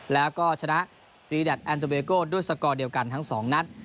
แล้วก็ชนะตรีแดดแอนโตเบโก้ด้วยสกอร์เดียวกันทั้งสองนัด